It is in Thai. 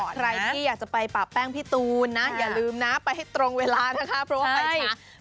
ใครที่อยากจะไปปะแป้งพี่ตูนนะอย่าลืมนะไปให้ตรงเวลานะคะเพราะว่าไปช้า